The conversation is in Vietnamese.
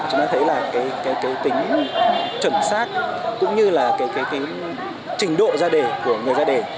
chúng ta thấy là cái tính chuẩn xác cũng như là cái trình độ ra đề của người ra đề